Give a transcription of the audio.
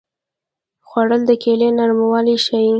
خوړل د کیلې نرموالی ښيي